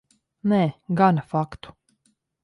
Nē, gana faktu.